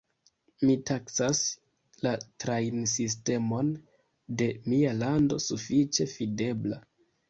Mi taksas la trajnsistemon de mia lando sufiĉe fidebla.